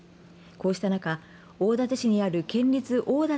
こうした中、大館市にある県立大館鳳